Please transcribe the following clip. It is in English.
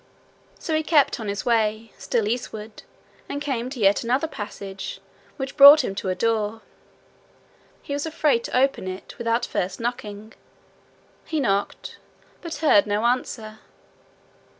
So he kept on his way, still eastward, and came to yet another passage, which brought him to a door. He was afraid to open it without first knocking. He knocked, but heard no answer.